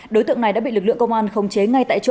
đối tượng này đã bị lực lượng công an khống chế ngay tại chỗ